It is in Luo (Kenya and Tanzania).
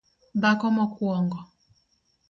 dhako mokuongo